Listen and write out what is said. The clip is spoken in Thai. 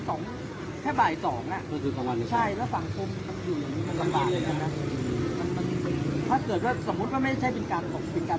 ตอนนี้กำหนังไปคุยของผู้สาวว่ามีคนละตบ